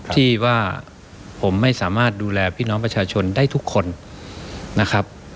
ที่ว่าผมไม่สามารถดูแลพี่น้องประชาชนได้ทุกคนนะครับ